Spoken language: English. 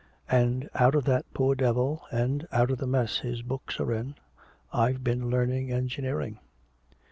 "And out of that poor devil, and out of the mess his books are in, I've been learning engineering!"